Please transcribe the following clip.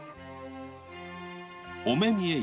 お目見得